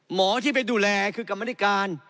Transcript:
หมอที่ไปดูแลคือกำลังที่การ